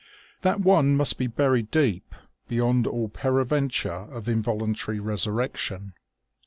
That one must be buried deep, beyond all peradventure of involuntary resurrection.